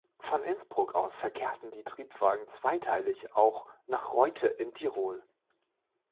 Von Innsbruck aus verkehrten die Triebwagen zweiteilig auch nach Reutte in Tirol.